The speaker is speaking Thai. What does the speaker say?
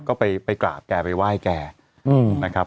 ก็ไปกราบแกไปไหว้แกนะครับ